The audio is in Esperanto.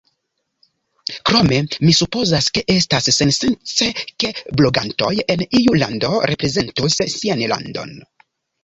Krome, mi supozas ke estas sensence ke blogantoj en iu lando reprezentus sian landon.